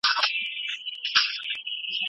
ایا دوستان یوازې د قدرت په وخت کي وي؟